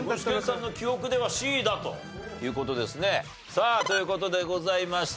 さあという事でございましてね